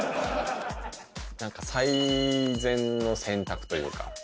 なんか、最善の選択というか。